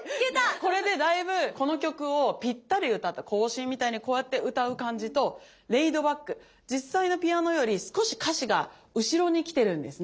これでだいぶこの曲をぴったり歌った行進みたいにこうやって歌う感じとレイドバック実際のピアノより少し歌詞が後ろに来てるんですね。